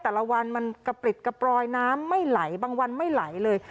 แต่ละวันมันกระปริดกระปรอยน้ำไม่ไหลบางวันไม่ไหลเลย